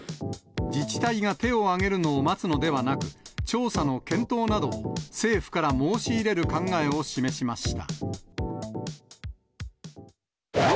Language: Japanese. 自治体が手を挙げるのを待つのではなく、調査の検討などを政府から申し入れる考えを示しました。